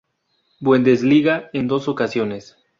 Bundesliga en dos ocasiones.